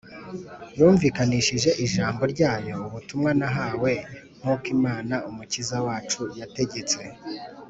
yumvikanishije ijambo ryayo ubutumwa nahawe nk’uko Imana Umukiza wacu yategetse.